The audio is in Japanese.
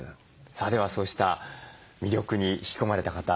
さあではそうした魅力に引き込まれた方見ていきましょう。